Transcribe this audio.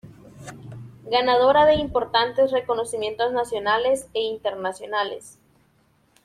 Ganadora de importantes reconocimientos nacionales e internacionales.